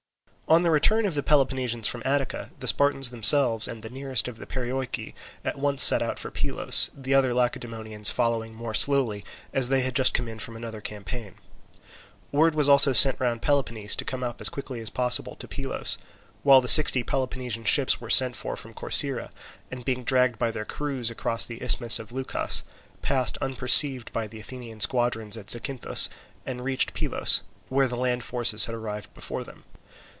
On the return of the Peloponnesians from Attica, the Spartans themselves and the nearest of the Perioeci at once set out for Pylos, the other Lacedaemonians following more slowly, as they had just come in from another campaign. Word was also sent round Peloponnese to come up as quickly as possible to Pylos; while the sixty Peloponnesian ships were sent for from Corcyra, and being dragged by their crews across the isthmus of Leucas, passed unperceived by the Athenian squadron at Zacynthus, and reached Pylos, where the land forces had arrived before them.